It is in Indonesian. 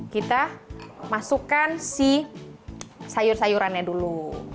kita masukkan si sayur sayurannya dulu